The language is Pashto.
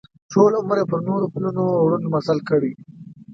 ټول عمر یې پر نورو پلونو ړوند مزل کړی.